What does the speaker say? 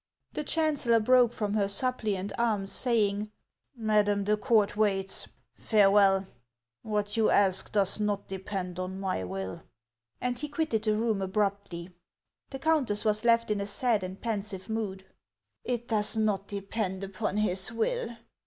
The chancellor broke from her suppliant arms, saying, " Madam, the court waits. Farewell. What you ask does not depend on my will." And he quitted the room abrupt!}'. The countess was left in a sad and pensive mood. " It does not depend upon his will